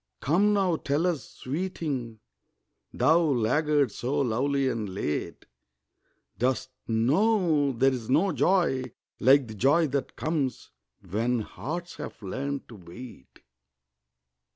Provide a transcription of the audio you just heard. Come now tell us, sweeting, Thou laggard so lovely and late, Dost know there's no joy like the joy that comes When hearts have learned to wait?